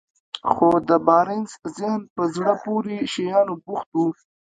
خو د بارنس ذهن په زړه پورې شيانو بوخت و.